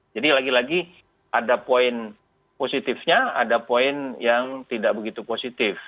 jadi lagi lagi ada poin positifnya ada poin yang tidak begitu positif